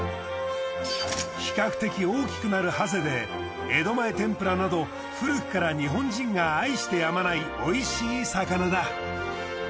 比較的大きくなるハゼで江戸前天ぷらなど古くから日本人が愛してやまないおいしい魚だ。